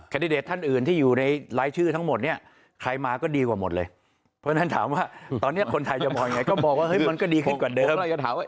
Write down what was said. ดิเดตท่านอื่นที่อยู่ในรายชื่อทั้งหมดเนี่ยใครมาก็ดีกว่าหมดเลยเพราะฉะนั้นถามว่าตอนนี้คนไทยจะมองยังไงก็บอกว่ามันก็ดีขึ้นกว่าเดิม